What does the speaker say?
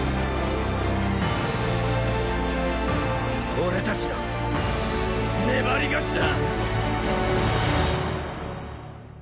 俺たちの粘り勝ちだ！